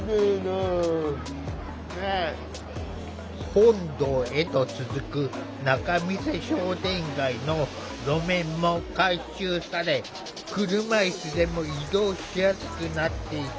本堂へと続く仲見世商店街の路面も改修され車いすでも移動しやすくなっていた。